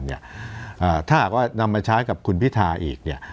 ถ้าหากว่านำมาใช้กับคุณพิธาอีกเนี่ย